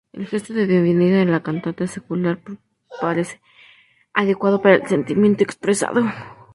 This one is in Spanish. El gesto de bienvenida de la cantata secular parece adecuado para el sentimiento expresado.